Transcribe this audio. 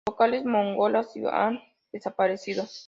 Las vocales mongolas y han desaparecido.